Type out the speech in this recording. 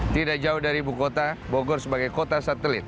tidak jauh dari ibu kota bogor sebagai kota satelit